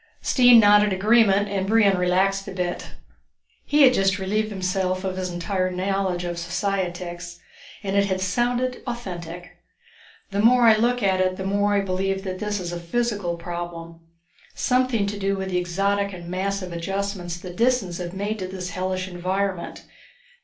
Stine nodded agreement and Brion relaxed a bit. He had just relieved himself of his entire knowledge of societics, and it had sounded authentic. "The more I look at it the more I believe that this is a physical problem, something to do with the exotic and massive adjustments the Disans have made to this hellish environment.